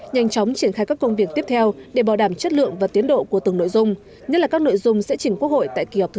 nhanh chóng triển khai các công việc tiếp theo để bảo đảm chất lượng và tiến độ của từng nội dung nhất là các nội dung sẽ chỉnh quốc hội tại kỳ họp thứ sáu